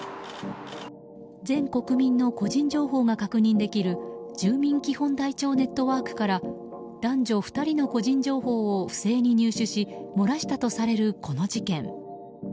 全国民の個人情報が確認できる住民基本台帳ネットワークから男女２人の個人情報を不正に入手しもらしたとされるこの事件。